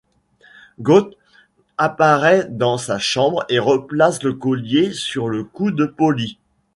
Gaunt apparaît dans sa chambre et replace le collier sur le cou de Polly.